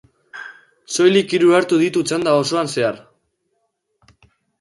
Soilik hiru hartu ditu taxnda osoan zehar.